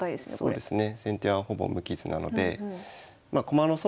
そうですね。